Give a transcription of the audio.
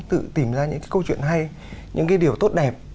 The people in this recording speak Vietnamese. tự tìm ra những cái câu chuyện hay những cái điều tốt đẹp